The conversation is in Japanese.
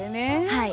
はい。